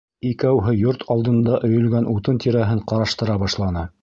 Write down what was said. Икәүһе йорт алдында өйөлгән утын тирәһен ҡараштыра башланы.